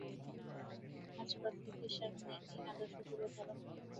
আজ প্রত্যেকের সামনেই এই আদর্শ তুলে ধর।